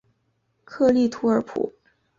克利图尔普。